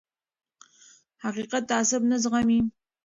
حقیقت تعصب نه زغمي